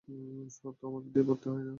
শহর তো আমাদের দিয়ে ভর্তি, তাই না?